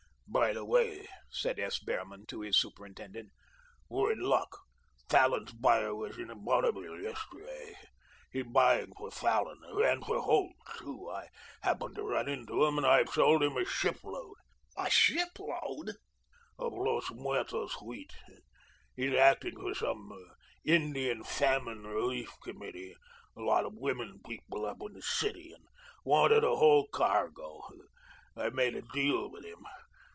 "By the way," said S. Behrman to his superintendent, "we're in luck. Fallon's buyer was in Bonneville yesterday. He's buying for Fallon and for Holt, too. I happened to run into him, and I've sold a ship load." "A ship load!" "Of Los Muertos wheat. He's acting for some Indian Famine Relief Committee lot of women people up in the city and wanted a whole cargo. I made a deal with him.